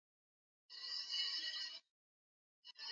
inajipanga kutengeneza silaha zenye nguvu